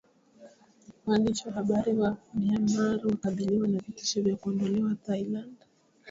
Waandishi wa Habari wa Myanmar wakabiliwa na vitisho vya kuondolewa Thailand